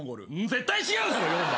絶対違うだろ４番。